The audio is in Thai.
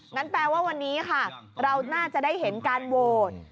แปลว่าวันนี้ค่ะเราน่าจะได้เห็นการโหวต